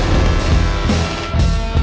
masih lu nunggu